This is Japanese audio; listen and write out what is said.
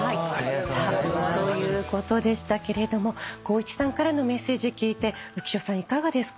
ということでしたけれども光一さんからのメッセージ聞いて浮所さんいかがですか？